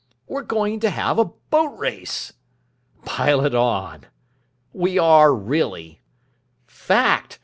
"We're going to have a boat race." "Pile it on." "We are, really. Fact.